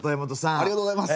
ありがとうございます。